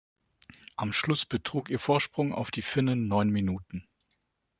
Am Schluss betrug ihr Vorsprung auf die Finnen neun Minuten.